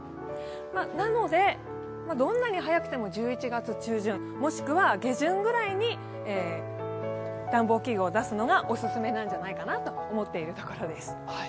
なので、どんなに早くても１１月中旬、もしくは下旬くらいに暖房器具を出すのがオススメなんじゃないかなと思っているところです。